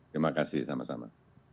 terima kasih sama sama